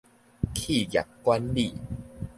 企業管理